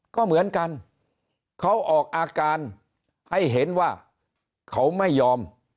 ก็เหมือนกันเขาออกอาการให้เห็นว่าเขาไม่ยอม